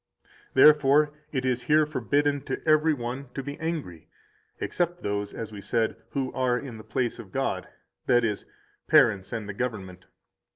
Therefore it is here forbidden to every one to be angry, except those (as we said) who are in the place of God, that is, parents and the government.